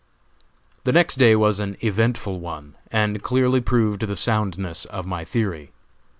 The next day was an eventful one, and clearly proved the soundness of my theory.